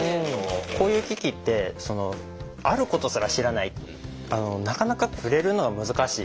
こういう機器ってあることすら知らないなかなか触れるのが難しい。